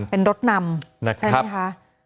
เป็นรถนำใช่ไหมคะ